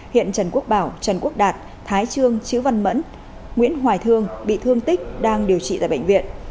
hiện trần quốc bảo trần quốc đạt thái trương văn mẫn nguyễn hoài thương bị thương tích đang điều trị tại bệnh viện